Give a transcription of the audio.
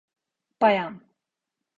Bayan.